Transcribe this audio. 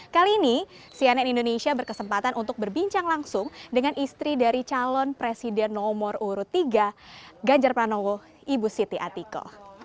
kali ini cnn indonesia berkesempatan untuk berbincang langsung dengan istri dari calon presiden nomor urut tiga ganjar pranowo ibu siti atiko